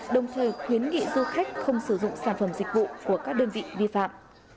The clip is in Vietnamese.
đồng thời khuyến nghị du khách không sử dụng sản phẩm dịch vụ của các đơn vị vi phạm